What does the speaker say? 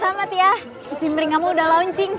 selamat ya kicim pring kamu udah launching